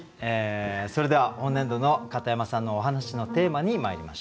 それでは本年度の片山さんのお話のテーマにまいりましょう。